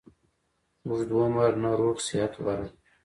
اوږد عمر نه روغ صحت غوره ده